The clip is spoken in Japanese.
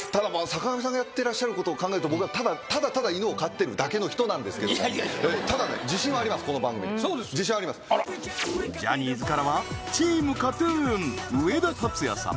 坂上さんがやってらっしゃることを考えると僕はただただ犬を飼ってるだけの人なんですけどもいやいやただねこの番組自信ありますあらジャニーズからはチームＫＡＴ−ＴＵＮ上田竜也様